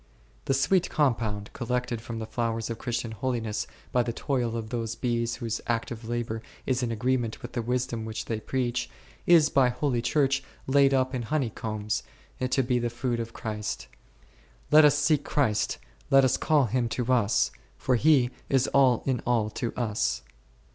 The sweet compound, collected from the flowers of Christian holiness by the toil of those bees whose active labour is in agreement with the wisdom which they preach, is by holy Church laid up in honey combs, to be the food of Christ. Let us seek Christ, let us call Him to us, for He is all in all to us.